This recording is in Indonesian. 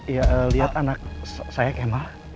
ya lihat anak saya kemah